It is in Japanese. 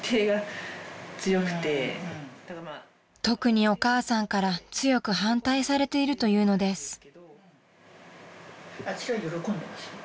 ［特にお母さんから強く反対されているというのです］